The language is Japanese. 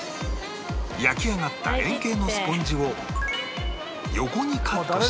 焼き上がった円形のスポンジを横にカットして